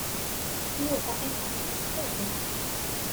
Yuba inehheṛ s tazzla.